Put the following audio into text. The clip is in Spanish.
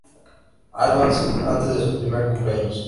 Albans antes de su primer cumpleaños.